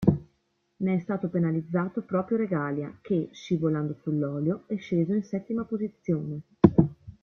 Ne è stato penalizzato proprio Regalia che, scivolando sull'olio, è sceso in settima posizione.